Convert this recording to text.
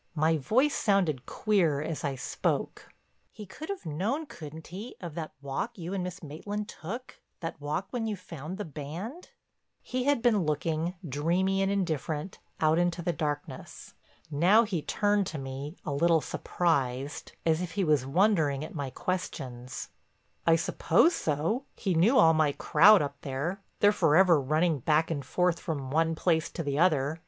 My voice sounded queer as I spoke: "He could have known, couldn't he, of that walk you and Miss Maitland took, that walk when you found the band?" He had been looking, dreamy and indifferent, out into the darkness. Now he turned to me, a little surprised, as if he was wondering at my questions: "I suppose so. He knew all my crowd up there; they're forever running back and forth from one place to the other.